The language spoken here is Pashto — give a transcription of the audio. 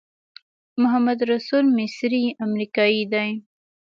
محمدرسول مصری امریکایی دی.